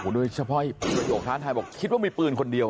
โดยเฉพาะประโยคท้าทายบอกคิดว่ามีปืนคนเดียว